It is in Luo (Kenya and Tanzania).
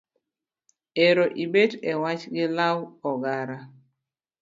Ero ibet e wach gi law ogara